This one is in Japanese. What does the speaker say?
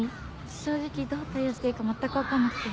正直どう対応していいかまったく分かんなくて。